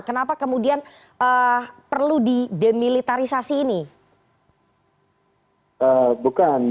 kenapa kemudian perlu di demilitarisasi ini